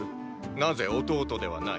なぜ弟ではない？！